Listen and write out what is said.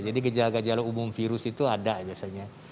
jadi gejala gejala umum virus itu ada biasanya